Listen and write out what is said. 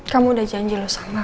kamu udah janji